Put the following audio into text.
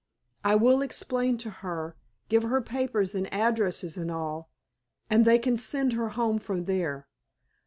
I will explain to her—give her papers and addresses and all—and they can send her home from there.